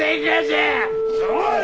おい！